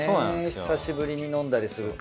久しぶりに飲んだりすると。